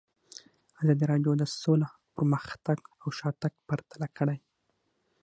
ازادي راډیو د سوله پرمختګ او شاتګ پرتله کړی.